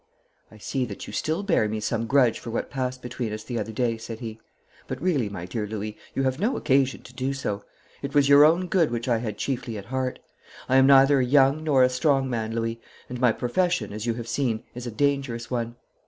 'I see that you still bear me some grudge for what passed between us the other day,' said he, 'but really, my dear Louis, you have no occasion to do so. It was your own good which I had chiefly at heart. I am neither a young nor a strong man, Louis, and my profession, as you have seen, is a dangerous one.